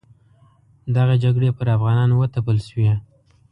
دغه جګړې پر افغانانو وتپل شوې.